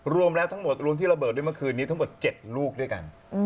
รวมที่ระเบิดด้วยเมื่อคืนนี้ทั้งกว่า๗ลูกด้วยกัน